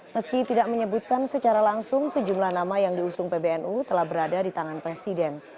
meski tidak menyebutkan secara langsung sejumlah nama yang diusung pbnu telah berada di tangan presiden